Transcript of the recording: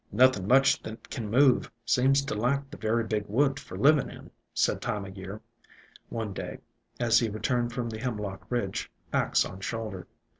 "Nothin' much that kin move seems to like the very big woods for livin' in," said Time o' Year one day, as he returned from the Hem lock ridge, axe on shoulder.